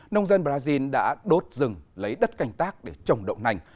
nông dân brazil đã đốt rừng lấy đất canh tác để trồng đậu nành